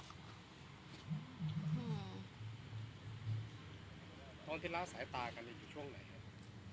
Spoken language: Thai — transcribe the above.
ตอนที่ละสายตากันอยู่ช่วงไหนครับ